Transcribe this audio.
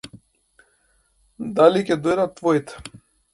Дали ќе дојдат твоите?